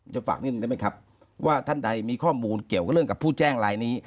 ฝากนิดหนึ่งได้ไหมครับว่าท่านใดมีข้อมูลเกี่ยวกับเรื่องกับผู้แจ้งลายนี้